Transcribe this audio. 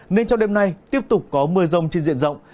nên trong đêm nay tiếp tục có mưa rông trên diện rộng